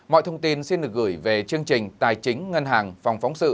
mọi thông tin xin được gửi về chương trình tài chính ngân hàng phòng phóng sự